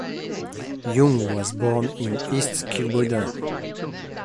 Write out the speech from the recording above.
Young was born in East Kilbride.